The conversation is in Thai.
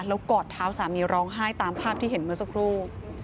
แล้วกอดเท้าสามีร้องไห้ตามภาพที่เห็นเมื่อสักครู่